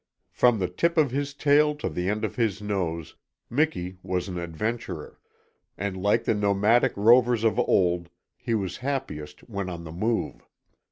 From the tip of his tail to the end of his nose Miki was an adventurer, and like the nomadic rovers of old he was happiest when on the move.